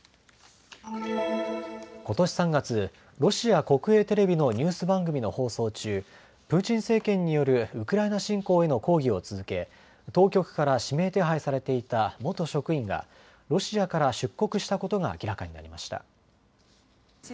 ことし３月、ロシア国営テレビのニュース番組の放送中、プーチン政権によるウクライナ侵攻への抗議を続け当局から指名手配されていた元職員がロシアから出国したことが明らかになりました。